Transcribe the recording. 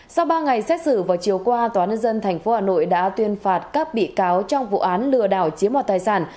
sau ba ngày xét xử vào chiều qua tnth hà nội đã tuyên phạt các bị cáo trong vụ án lừa đảo chiếm hoạt tài sản